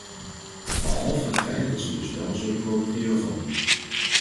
Behalve het feit dat ze dus wel zullen profiteren van...